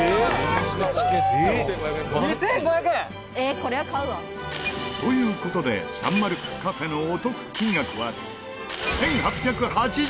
「これは買うわ」という事でサンマルクカフェのお得金額は１８８０